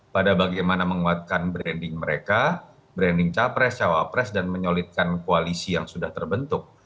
pada bagaimana menguatkan branding mereka branding capres cawapres dan menyolidkan koalisi yang sudah terbentuk